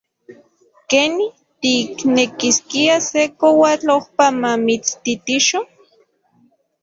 ¡Keni! ¿tiknekiskia se koatl ojpa mamitstitixo?